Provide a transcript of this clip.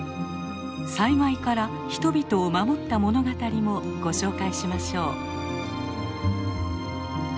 災害から人々を守った物語もご紹介しましょう。